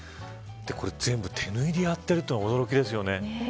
これ全部、手縫いでやってるのが驚きですよね。